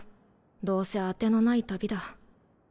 どうせ当てのない旅だ。